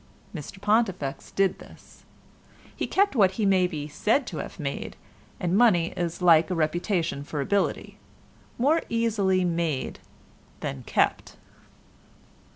Mr Pontifex did this. He kept what he may be said to have made, and money is like a reputation for ability—more easily made than kept.